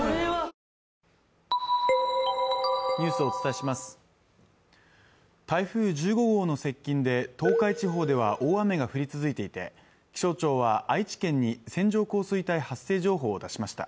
台風１５号の接近で東海地方では大雨が降り続いていて気象庁は愛知県に線状降水帯発生情報を出しました